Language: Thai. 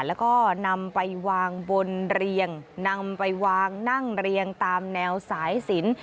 แล้วก็นำไปวางบนเรียงนำไปวางนั่งเรียงตามแนวสายสิน